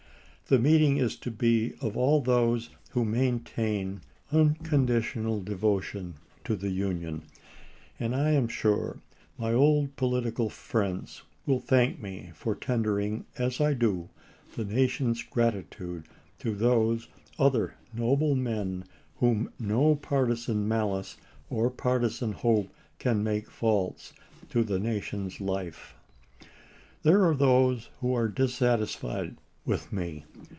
The meeting is to be of all those who maintain uncon ditional devotion to the Union, and I am sure my old political friends will thank me for tendering, as I do, the nation's gratitude to those other noble men whom no partisan malice or partisan hope can make false to the nation's life. There are those who are dissatisfied with me.